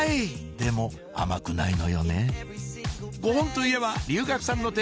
でも甘くないのよね